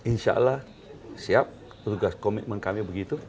insya allah siap tugas komitmen kami begitu